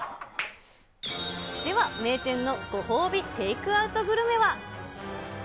では名店のご褒美テイクアウトグルメは。